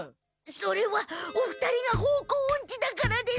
それはお二人が方向オンチだからです。